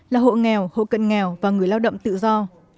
là hộ nghèo hộ cận nghèo và người lao động tự do